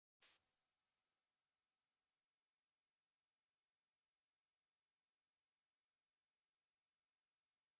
Many pigs use specific materials according to the product in the pipeline.